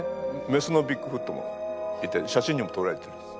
メスのビッグフットもいて写真にもとられてるんです。